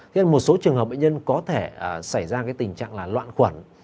thì một số trường hợp bệnh nhân có thể xảy ra tình trạng loạn khuẩn